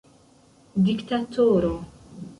diktatoro